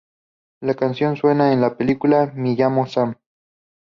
La canción suena en la película "Me llamo Sam".